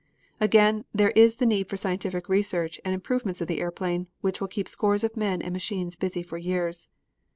Again, there is the need for scientific research and improvement of the airplane, which will keep scores of men and machines busy for years.